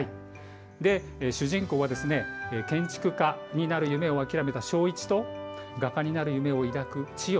主人公は建築家になる夢を諦めた正一と画家になる夢を描く千代。